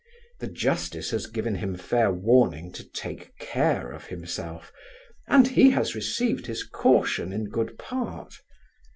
The justice has given him fair warning to take care of himself, and he has received his caution in good part.